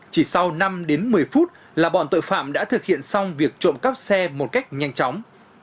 chỉ sau năm đến một mươi phút là bọn tội phạm đã thực hiện xong việc trộm cắp xe một cách nhanh chóng